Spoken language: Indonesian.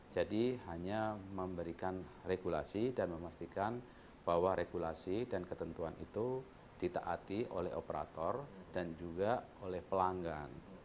jadi hanya memberikan regulasi dan memastikan bahwa regulasi dan ketentuan itu ditaati oleh operator dan juga oleh pelanggan